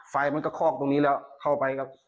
ไฟมันก็คอกตรงนี้แล้วเข้าไปครับ